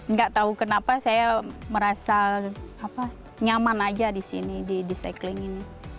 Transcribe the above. nggak tahu kenapa saya merasa nyaman aja di sini di cycling ini